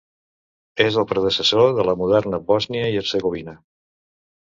És el predecessor de la moderna Bòsnia i Hercegovina.